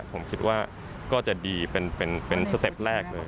ผมคิดว่าก็จะดีเป็นสเต็ปแรกเลย